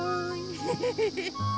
フフフフフ。